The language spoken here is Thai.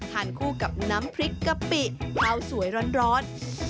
ทานคู่กับน้ำพริกกะปิข้าวสวยร้อน